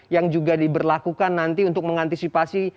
yang juga diberlakukan nanti untuk mengantisipasi